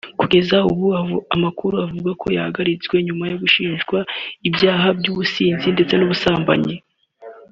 Kugeza ubu amakuru avuga ko yahagaritswe nyuma yo gushinjwa ibyaha by’ubusinzi ndetse n’ubusambanyi